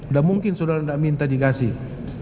udah mungkin saudara enggak minta dikasih